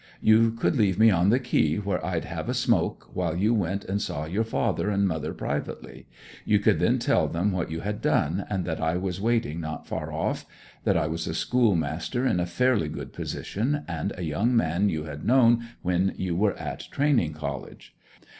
You could leave me on the quay, where I'd have a smoke, while you went and saw your father and mother privately; you could then tell them what you had done, and that I was waiting not far off; that I was a school master in a fairly good position, and a young man you had known when you were at the Training College.